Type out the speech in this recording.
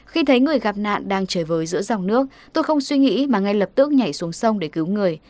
khi thấy người gặp nạn đang chơi với giữa dòng nước tôi không suy nghĩ mà ngay lập tức nhảy xuống sông để cứu người